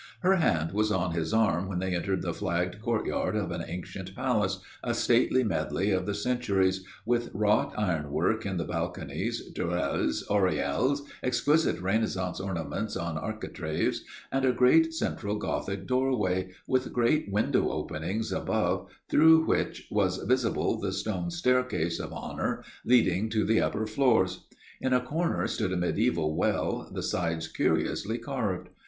Her hand was on his arm when they entered the flagged courtyard of an ancient palace, a stately medley of the centuries, with wrought ironwork in the balconies, tourelles, oriels, exquisite Renaissance ornaments on architraves, and a great central Gothic doorway, with great window openings above, through which was visible the stone staircase of honour leading to the upper floors. In a corner stood a mediæval well, the sides curiously carved.